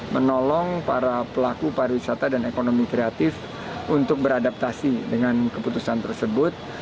menolong para pelaku pariwisata dan ekonomi kreatif untuk beradaptasi dengan keputusan tersebut